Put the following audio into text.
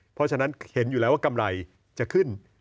เพราะฉะนั้นเห็นอยู่แล้วว่ากำไรจะขึ้น